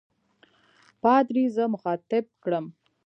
پادري زه مخاطب کړم.